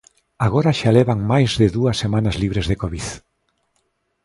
Agora xa levan máis de dúas semanas libres de covid.